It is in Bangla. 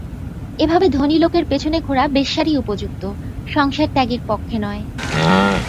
এভাবে ধনী লোকের পেছনে ঘোরা বেশ্যারই উপযুক্ত, সংসারত্যাগীর পক্ষে নয়।